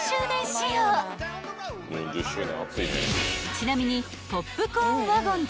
［ちなみに］